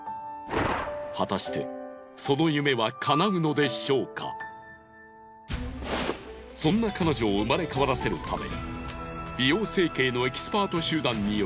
果たしてそのそんな彼女を生まれ変わらせるため。